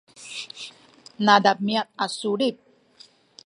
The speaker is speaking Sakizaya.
nademiad a sulit